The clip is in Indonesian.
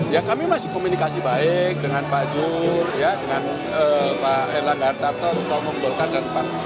ya kami masih komunikasi baik dengan pak juh dengan pak erlang gartar pak omong pak dutkan dan pak